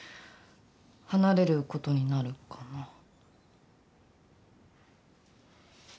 離れることになるかな。